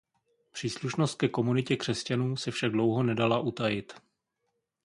Příslušnost ke komunitě křesťanů se však dlouho nedala utajit.